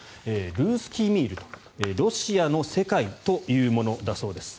ルースキー・ミールとロシアの世界というものだそうです。